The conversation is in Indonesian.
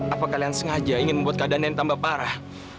apa kalian sengaja ingin membuat keadaan yang tambah parah